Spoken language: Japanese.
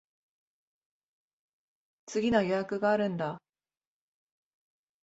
次の予約があるんだ。